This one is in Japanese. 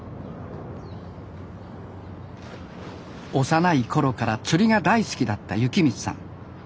幼い頃から釣りが大好きだった幸光さん。